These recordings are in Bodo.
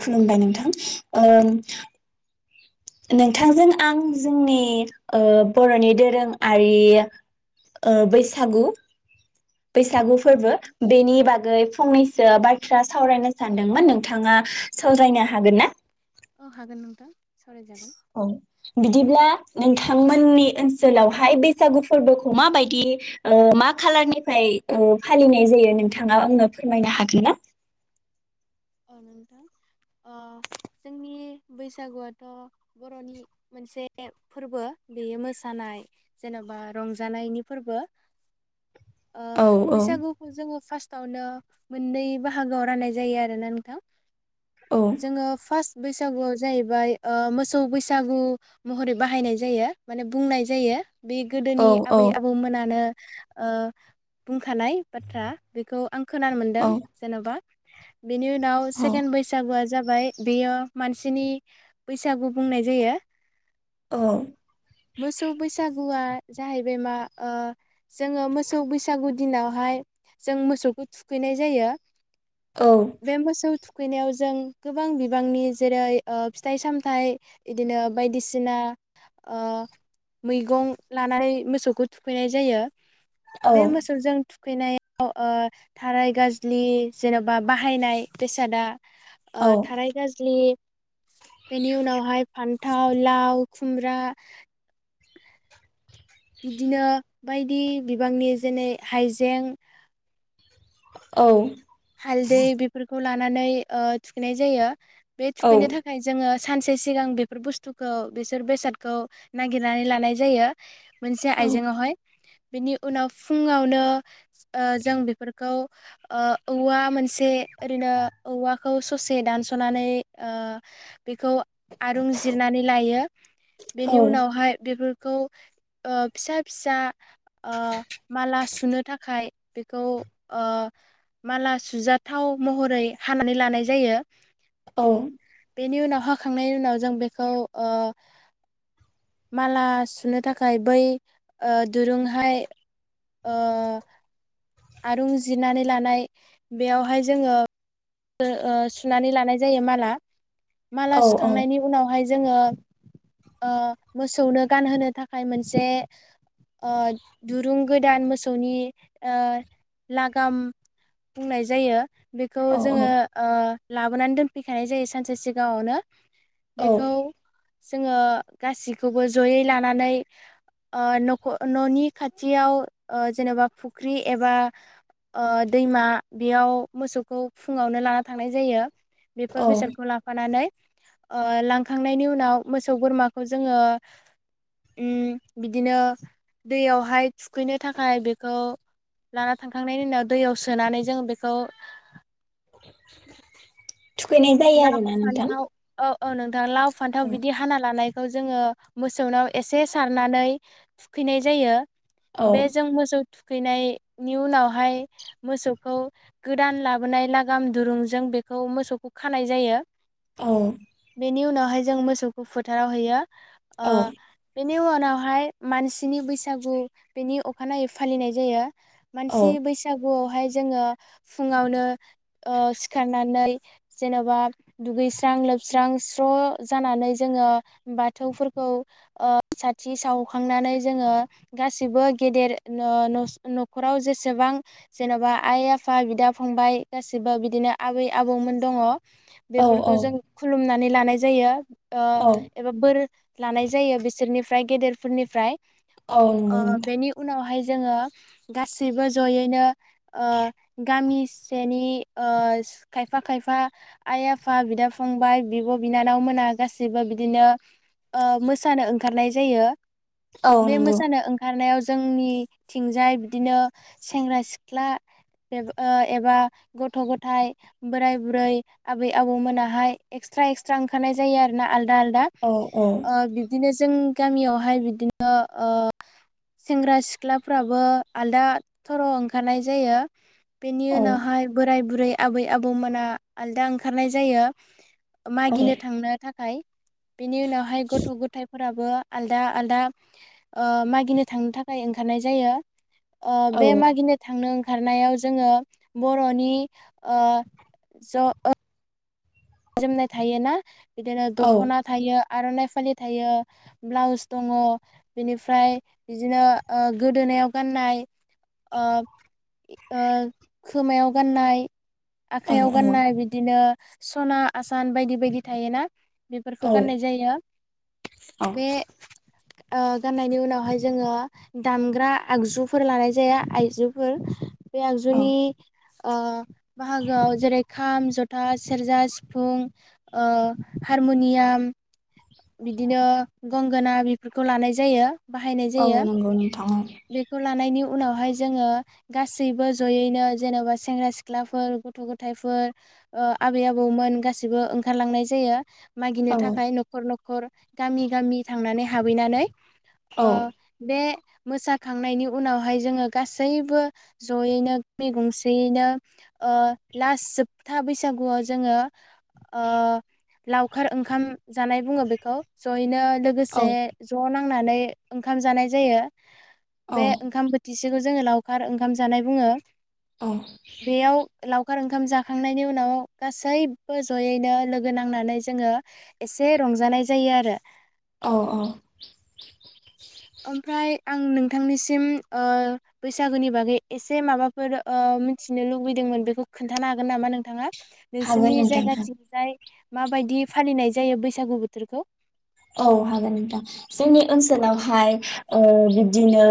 खुलुमबाय नोंथां ओं नोंथांजों आं जोंनि ओ बरनि दोरोङारि ओ बैसागु बैसागु औ फोरबो नोंथां। बेनि बागै फंनैस सो बाथ्रा सावरायनो सानदोंमोन नोंथाङा सावरायनो हागोन ना? ओह हागोन नोंथां सावरायजागोन। औ बिदिब्ला नोंथांमोननि ओनसोलावहाय बैसागु फोरबोखौ मा बायदि ओ मा खालारनिफ्राय ओ फालिनाय जायो नोंथाङा आंनो फोरमायनो हागोन ना? औ नोंथां ओ जोंनि बैसागुआथ' बर'नि मोनसे फोरबो बेयो मोसानाय जेन'बा रंजानायनि फोरबो। ओ औ बैसागुखौ जोंङो फासथ थावनो मोननै बाहागोआव राननाय जायो आरो ना नों थां औ जोंङो फास्ट बैसागुआव जाहैबाय ओ मोसौ बैसागु महरै बाहायनाय जायो माने बुंनाय जायो। बे औ गोदोनि औ आबै आबौमोनानो ओ बुंखानाय बाथ्रा बेखौ आं खोनानो मोनदों औ जेन'बा बिनि उन नाव सेकेण बैसागुआ जाब ओमफाय बेयो मानसिनि बैसागु बुंनाय जायो औ मोसौ बैसागुआ जाहैबाय मा ओ जोङो मोसौ बैसागु दिनावहाय जों मोसौखौ थुखैनाय जायो औ । बे मोसौ थु थुखैनायाव जों गोबां बिबांनि जेरै ओ फिथाइ सामथाइ बिदिनो बायदिसिना ओ मैगं लानानै मोसौखौ थुखैनाय जायो औ । बे मोसौजों थु थुखैनायाव ओ थाराय गाज्लि जेनबा बाहायनाय बेसादा औ थाराय गाजिलि बेनि उनावहाय फान थाव लाव खुमब्रा बिदिनो बायदि बिबांनि जेने हाइजें औ हालदै बेफोरफोरखौ लानानै ओ थुखैनाय जायो । बे थुखैनो औ थाखाय जोङो सानसे सिगां बेफोर बुस्थुखौ बेसोर बेसादखौ नागिरनानै लानाय जायो । मोनसे औ आइजेंआवहाय । बेनि उनाव फुङावनो ओ जों बेफोरखौ ओ औवा मोनसे ओरैनो औवाखौ ससे दानस'नानै ओ बेखौ आरुं जिरनानै लायो औ बेनि उनावहाय बेफोर बेखौ फिसा फिसा ओ माला सुनो थाखाय बेखौ ओ माला सुजाथाव महरै हानानै लानाय जायो । औ बेनि उनाव हाखांनायनि उनाव जों बेखौ ओ माला सुनो थाखाय बै ओ दुरुंहाय ओ आरुं जिनानै लानाय बेयावहाय जोङो ओ सुनानै लानाय जायो माला । औ माला सुखांनायनि उनावहाय जोङो ओ मोसौनो गानहोनो थाखाय मोनसे ओ दुरुं गोदान मोसौनि ओ लागाम बुंनाय जायो बेखौ औ जोङो औ ओ लाबोनानै दोनफैखानाय जायो सानसे सिगाङावनो । औ बेखौ जोङो गासिखौबो जयै लानानै ओ नख न'नि खाथियाव ओ जेनेबा फुख्रि एबा ओ दैमा बेयाव मोसौखौ फुङावनो लाना थांनाय जायो । बेफोर औ बेसादखौ लाफानानै ओ लांखांनायनि उनाव मोसौ बोरमाखौ जोङो उम बिदिनो दैयावहाय थुखैनो थाखाय बेखौ लाना थांखांनायनि उनाव दैयाव सोनानै जों बेखौ [inaudible] थुखैनाय जायो लाव आरोना नोंथां फान्थाव औ औ नोंथां लाव फान्थाव औ बिदि हाना लानाय खौ जोङो मोसौनाव एसे सारनानै थुखैनाय जायो। औ बे जों मोसौ थुखैनायनि उनावहाय मोसौखौ गोदान लाबोनाय लागाम दुरुंजों बेखौ मोसौखौ खानाय जायो। औ बेनि उनाव ओमफाय जों मोसौखौ फोथाराव होयो। ओ औ बेनि उनावहाय मानसिनि बैसागु बेनि अखानायै फालिनाय जायो। मानसि बैसागु फाय जोङो फुङावनो ओ सिखारनानै जेन'बा दुगैस्रां लोबस्रां स्र' जानानै जोङो बाथौफोरखौ ओ साथि सावखांनानै जोङो गासिबो गेदेर ओ नसु न'खराव जेसेबां जेन'बा आइ आफा बिदा फंबाय गासिबो बिदिनो आबै आबौमोन दङ औ बेफोरखौ जों खुलुमना नानै लानाय जायो ओ औ एबा बोर लानाय जायो बिसोरनिफ्राय गेदेरफोरनिफ्राय औ नंगौ ओ नोंथां बेनि उनावहाय जोङो गाससिबो जयैनो ओ गामिसेनि ओ खायफा खायफा आइ-आफा, बिदा-फंबाय, बिब'-बिनानाव मोना गासैबो बिदिनो ओ मोसानो ओंखारनाय जायो। औ बे नंगौ मोसानो ओंखारनायाव जोंनिथिंजाय बिदिनो सेंग्रा सिख्ला ओ एबा गथ' गथायाइ बोराय-बुरै, आबै-आबौ मोनाहाय एक्सट्रा एक्सट्रा ओंखारनाय जायो आरो ना आल आलादा आलदा औ औ ओ बिब्दिनो जोंनि गामियावहाय बिदिनो ओ सेंग्रा सिख्लाफ्राबो आलदा थर' ओंखारनाय जायो बेनि औ उनावहाय बोराय-बुरै आबै आबौमोना आलदा ओंखारनाय जायो। मागिनो थांनो थाखाय बिनि उनावहाय गथ' गथायफोराबो बो आलदा आलदा ओ मागिनो थांनो थाखाय ओंखारनाय जायो। ओ बे मागिनो थांनो ओं ओंखारनायाव जोङो बर'नि ओ ज' ओ जोमनाय थायोना? बिदिनो औ दख'ना थायो। आर'नाइ फालि थायो ब्लाउस दङ बेनिफ्राय बिदिनो ओ गोदोनायाव गाननाय। ओ ओ खोमायाव गाननाय। आखाइयाव गाननाय बिदिनो सना आसान बायदि बायदि थायोना। बेफोरखौ औ गाननाय जायो बे ओह गाननायनि उनावहाय जोङो दामग्रा आगजुफोर लानाय जाया आइजुफोर बे औ आगजुनि ओ बाहागोआव जेरै खाम ज'था सेरजा जा सिफुं ओ हारमुनियाम बिदिनो गंगोना बेफोरखौ लानाय जायो। बाहायनाय औ जायो नंगौ नोंथां बेखौ लानायनि उनावहाय जोङो गासैबो जयैनो जेनेबा सेंग्रा सिख्लाफोर गथ' गथायफोर ओ आबै आबौमोन गासैबो ओंखारलांनाय जायो। मागिनो औ थाखाय नख न'खर गामि गामि थांनानै हाबैनानै औ ओ बे मोसाखांनायनि उनावहाय जोङो गासैबो ज'यैनो गामि गंसेयैनो ओ लास जोबथा बैसागुआव जोङो ओ लावखार ओंखाम जानाय बुङो बेखौ जयैनो औ लोगोसे ज नां थांनानै ओंखाम जानाय जायो। बे ओंखाम बोथिसेखौ जोङो लावखार ओंखाम जानाय बुङो। औ बेयाव लाव खार ओंखाम जाखांनायनि उनाव गासैबो जयैनो लोगो नांनानै जोङो एसे रंजानाय जायो आरो। औ औ। ओमफ्राय आं नों नोंथांनिसिम ओ बैसागोनि बागै एसे माबाफोर ओ मिथिनो ओ लुबैदोंमोन बेखौ खोन्थानो हागोन नामा नोंथाङा। नोंसोरनि हागोन नोंथां हागोन। जायगाथिंजाय । माबायदि फालिनाय जायो बैसागु बोथोरखौ? औ हागोन नोंथां जोंनि ओनसोलावहाय ओ बिब्दिनो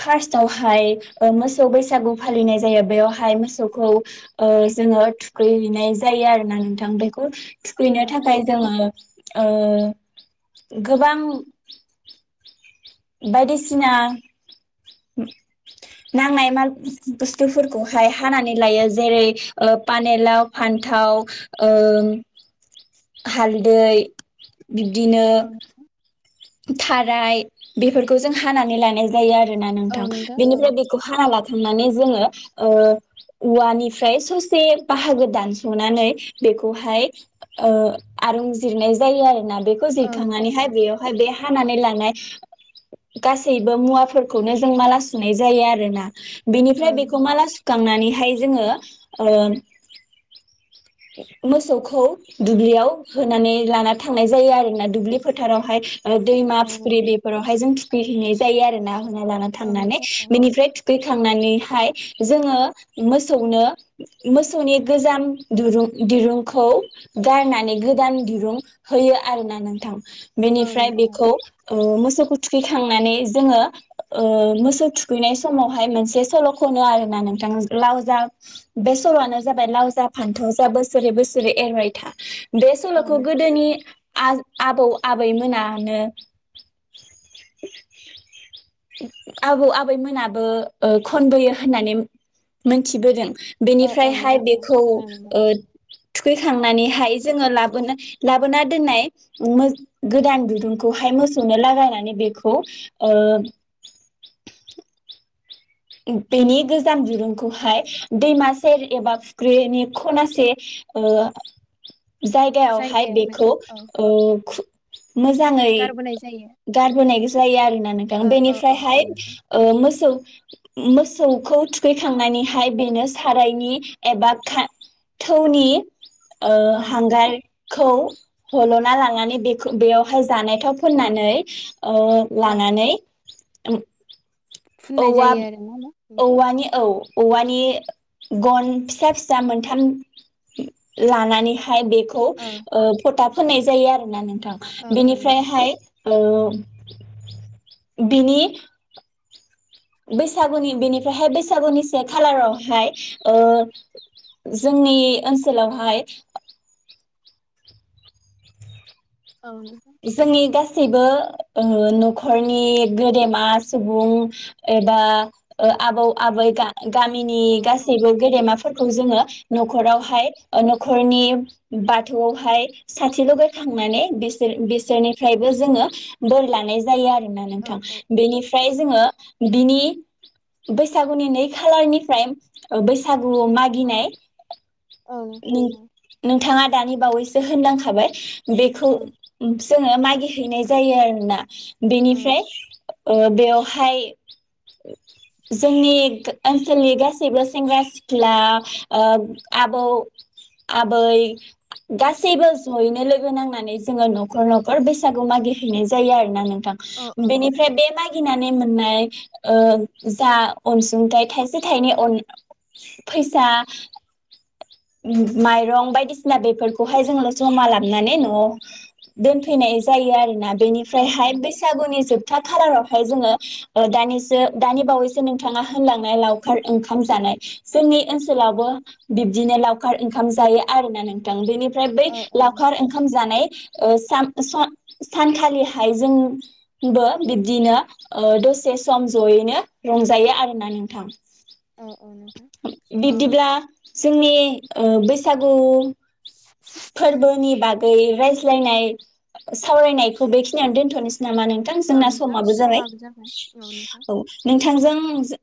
फास्टावहाय ओ मोसौ बैसागु फालिनाय जायो, बेयावहाय मोसौखौ ओ जोङो थुखैहैनाय जायो आरो ना नोंथां बेखौ औ थुखैनो नोंथां थाखाय जोङो ओ गोबां बायदिसिना [inaudible] नांनाय माल बुस्थुफोरखौहाय हानानै लायो जेरै ओ पानेलाव फान्थाव ओं हाल दै बिब्दिनो औ थाराय बेफोरखौ जों हानानै लानाय जायो आ रोना औ नोंथां औ बिनिफ्राय बेखौ हाना ला [unintelligible] नानै जोङो ओ औवानिफ्राय ससे बाहागो दानस'नानै बेखौहाय ओ आरुंजिरनाय जायो आरोना बेखौ औ नोंथां जिरखांनानै हाय औ बेयो बे हानानै लानाय गासैबो मुवाफोरखौनो जों माला सुनाय जायो आरोना । बिनिफ्राय औ बेखौ नोंथां माला सुखांनानैहाय जोङो ओ [inaudible] मोसौखौ दुब्लियाव होनानै लाना थांनाय जायो आरोना दुब्लि फोथारावहाय दैमा औ फुख्रि नोंथां बेफोरावहाय जों थु खैहैनाय जायो आरो ना। लाना औ थांनानै नोंथां औ बेनिफ्राय थु खैखांनानैहाय जोङो मोसौनो मोसौनि गोजाम दुरुं-दिरुंखौ गारनानै गोदान दिरुं होयो आरोना नोंथां। बिनि औ फ्राय नोंथां बेखौ औ मोसौखौ थुखैखांनानै जोङो ओ मोसौ थुखैनाय समावहाय मोनसे सल' खनो आरोना नोंथां लाव जा बे सल'आनो जाबाय लाव जा फान्थाव जा बोसोरे बोसोरे एरबायथा। बे औ औ सल'खौ नोंथां गोदोनि औ आज आबौ आबैमोना आनो [inaudible] आबौ आबैमोनाबो ओ खनबोयो होननानै, मोनथिबोदों। औ औ बेनिफ्रायहाय नोंथां औ बेखौ खोनानो मोनदों ओ थुखैखांनानैहाय जोङो लाबोनो ला [unintelligible] दोननाय मो- गोदान दि रुंखौहाय मोसौनो लागायनानै बेखौ ओ [inaudible] बेनि गोजाम दिरुंखौहाय दैमा सेर एबा फुख्रिनि खनासे ओ जायगायावहाय बेखौ ओ मोजाङै गारबोनाय जायो गारबोनाय जायो आरो ना। नोंथां औ औ औ बेनिफ्रायहाय औ नोंथां ओ मोसौ मोसौखौ थुखैखांनानैहाय बेनो सारायनि एबा खा-थौनि ओ औ नोंथां हांगारखौ हल'ना लानानै बेखौ बेयावहाय जानायथाव फोननानै ओ औ औ लानानै औ [unintelligible] फुननाय जायो आरोना ना नोंथां औवा-औवानि औ औवानि गन फिसा फिसा मोनथाम लानानैहाय ओमफ्राय बेखौ औ ओ फथा होनाय जायो आरोना नोंथां औ । औ नोंथां बेनिफ्रायहाय औ बिनि बैसागुनि बेनिफ्रायहाय बैसागुनि से खालारावहाय ओ जोंनि ओनसोलावहाय औ नोंथां जोंनि गासै बो ओ न'खरनि गेदेमा सुबुं एबा ओ आबौ आबै गा गामिनि औ औ गासैबो गेदेमा फोरखौ जोङो न'खरावहाय औ ओ न ख'रनि बाथौआवहाय साथि ल'गाय खांनानै बे बिसोरनिफ्रायबो जोङो बोर लानाय जायो आरो । औ औ नोंथां औ बेनिफ्राय जोङो बिनि बैसागुनि नै खालारनिफ्राय ओ बैसागुआव मागिनाय औ नोंथां नों औ नोंथाङा दानि बावैसो होनलांखाबाय बेखौ जोङो मागि हैनाय जायो आरो ना । बेनिफ्राय ओ बेवहाय जोंनि ओनसोलनि गासैबो सेंग्रा सिख्ला ओ आबौ आबै गासैबो जयैनो लोगो नांनानै जोङो न' न'खर न'खर बैसागु मागि हैैनाय जायो आरो ना नों थां औ औ नोंथां बेनिफ्राय बे औ मागिना नानै मोननाय ओ जा अनसुंथाइ थाइसे थाइनै अन फैसा माइरं बायदिसिना बेफोरखौहाय जोंल' जमा लाबनानै न'आव दोनफैनाय जायो आरोना । औ औ बेनिफ्रायहाय नोंथां बैसागुनि जोब था खालारावहाय जोङो ओ दानिसो दानि बावैसो नोंथाङा होनलांनाय लावखार ओंखाम जानाय जोंनि ओनसोलावबो बिबदिनो लावखार ओंखाम जायो आरोना नोंथां । बेनि फ्राय बै औ औ लावखार नोंथां ओंखाम जानाय ओ साम-सा-सानखालिहाय जोंबो बिब्दिनो ओ दसे सम जयैनो रंजायो आरोना नोंथां । औ औ नोंथां अ बिब्दिब्ला जोंनि ओ बैसागु फोर्बोनि बाग गै रायज लायनाय सावरायनायखौ बेखिनियावनो दोनथ'नोसै। नामा नोंथां जोंना समाबो जाबाय औ नों थांजों जो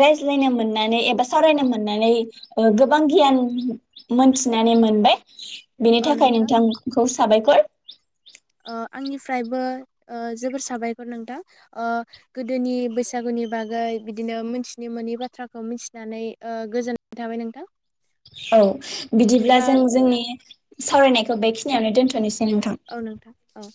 रायज्लायनो मोननानै एबा सावरायनो मोननानै ओ गोबां गियान मोनथिनानै मोनबाय। बेनि थाखाय नोंथां खौ साबायखर। ओ आंनिफ्रायबो जोबोर साबायखर नोंथां ओ गोदोनि बैसागुनि बागै बिदिनो मिथिनोमोनि बाथ्राखौ मिथिनानै गोजोननाय थाबाय नोंथां। औ बिदिब्ला जों जोंनि सावरायनायखौ बेखि खिनियावनो दोनथ'सै। औ नोंथां औ।